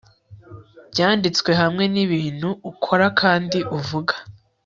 byanditswe hamwe nibintu ukora kandi uvuga